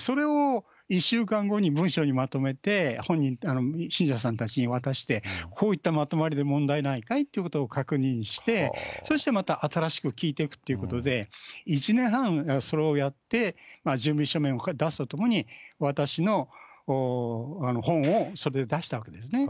それを１週間後に文書にまとめて、信者さんたちに渡して、こういったまとまりで問題ないかい？ということを確認して、そしてまた新しく聞いていくっていうことで、１年半それをやって、準備書面を出すとともに、私の本をそれで出したわけですね。